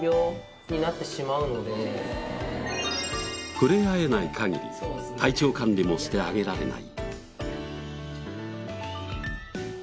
触れ合えない限り体調管理もしてあげられない。